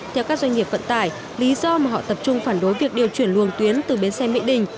theo các doanh nghiệp vận tải lý do mà họ tập trung phản đối việc điều chuyển luồng tuyến từ bến xe mỹ đình